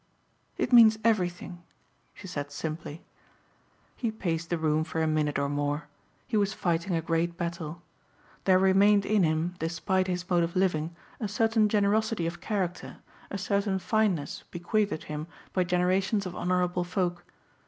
"It means everything," she said simply. He paced the room for a minute or more. He was fighting a great battle. There remained in him, despite his mode of living, a certain generosity of character, a certain fineness bequeathed him by generations of honorable folk.